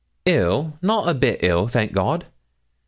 'Ill! not a bit ill, thank God.